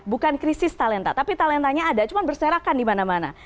bukan krisis talenta tapi talentanya ada cuman berserakan dimana mana